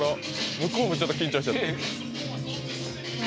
向こうもちょっと緊張してる何？